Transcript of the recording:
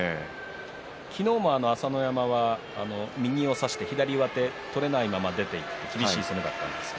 昨日も朝乃山は、右を差して左上手取れないまま、出ていって厳しい攻めだったんですが。